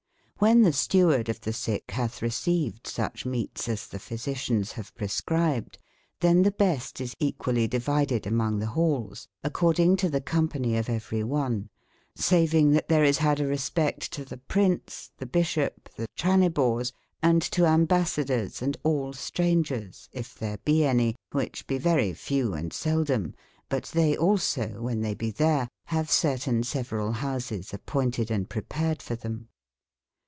CHben tbe stewardeof tbe sicke batb received sucbc meates as tbe pbisitians bave prescribed, tben tbe beste is equalise devided among tbe balles, according to tbe company of every one, saving tbat tbere is bad a re specttotbeprince, tbebysbop, tbetrani/ bours, & to am bassadours ^ all s traun gers, if tbere be any, wbicb be very fewe and seldomeji^But tbey also wben tbey be tbere, bave certeyne severall bouses apointed & prepared for tbem.